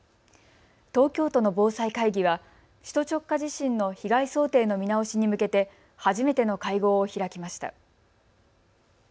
東京都の防災会議は首都直下地震の被害想定の見直しに向けて初めての会合を開きました。